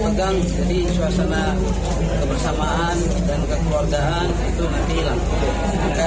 pegang jadi suasana kebersamaan dan kekeluargaan itu nanti langsung